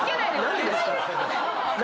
何でですか？